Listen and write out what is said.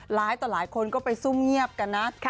หลายต่อหลายคนก็ไปสู้เงียบกันนะ